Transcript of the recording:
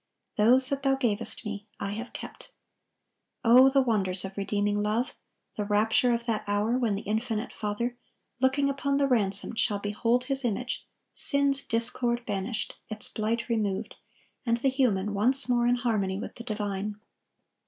"Those that Thou gavest Me I have kept." Oh, the wonders of redeeming love! the rapture of that hour when the infinite Father, looking upon the ransomed, shall behold His image, sin's discord banished, its blight removed, and the human once more in harmony with the divine!